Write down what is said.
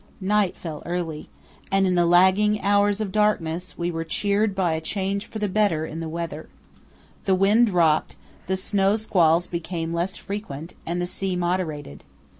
Night fell early, and in the lagging hours of darkness we were cheered by a change for the better in the weather. The wind dropped, the snow squalls became less frequent, and the sea moderated.